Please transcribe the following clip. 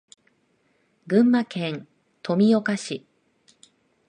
群馬県富岡市